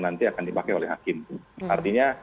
nanti akan dipakai oleh hakim artinya